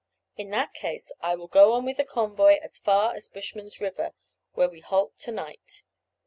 "In that case I will go on with the convoy as far as Bushman's River, where we halt to night."